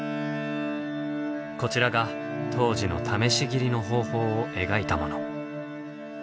こちらが当時の試し斬りの方法を描いたもの。